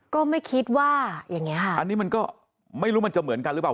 ก็ไม่คิดว่าอย่างเงี้ค่ะอันนี้มันก็ไม่รู้มันจะเหมือนกันหรือเปล่า